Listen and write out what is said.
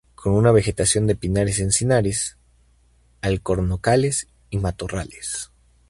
Con una vegetación de pinares encinares, alcornocales y matorrales.